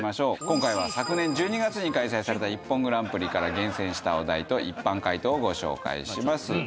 今回は昨年１２月に開催された『ＩＰＰＯＮグランプリ』から厳選したお題と一般回答をご紹介します。